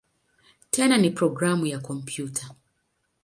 Tena ni programu ya kompyuta.